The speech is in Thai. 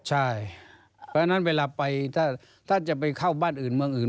เพราะฉะนั้นเวลาไปถ้าจะไปเข้าบ้านอื่นเมืองอื่น